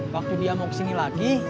waktu dia mau kesini lagi